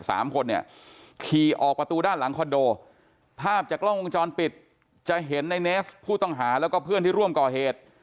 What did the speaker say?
สามคนเนี่ยขี่ออกประตูด้านหลังคอนโดภาพจากกล้องวงจรปิดจะเห็นในเนฟผู้ต้องหาแล้วก็เพื่อนที่ร่วมก่อเหตุ